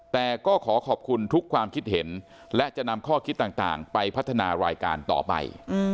แต่ก็ขอขอบคุณทุกความคิดเห็นและจะนำข้อคิดต่างไปพัฒนารายการต่อไป